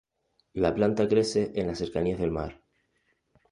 La planta crece en las cercanías del mar.